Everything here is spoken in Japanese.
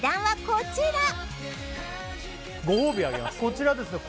こちらですね